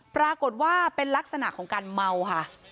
ปรากฏว่าเป็นลักษณะของการเมาค่ะ